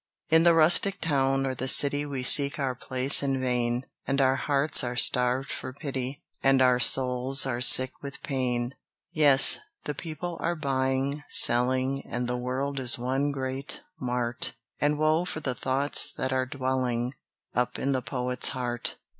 In the rustic town, or the city We seek our place in vain; And our hearts are starved for pity, And our souls are sick with pain. Yes, the people are buying, selling, And the world is one great mart. And woe for the thoughts that are dwelling Up in the poet's heart.